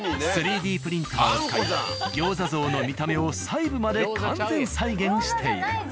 ３Ｄプリンターを使い餃子像の見た目を細部まで完全再現している。